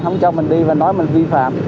không cho mình đi và nói mình vi phạm